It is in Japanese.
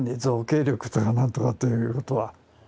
造形力とか何とかということは。